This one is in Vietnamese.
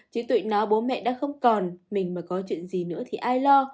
chứ tụi nó bố mẹ đã không còn mình mà có chuyện gì nữa thì ai lo